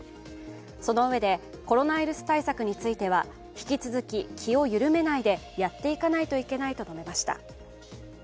その上で、コロナウイルス対策については引き続き気を緩めないでやっていかないといけないと述べました。